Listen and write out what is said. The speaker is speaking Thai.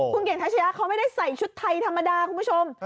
คุณเก่งทัชยะเขาไม่ได้ใส่ชุดไทยธรรมดาคุณผู้ชม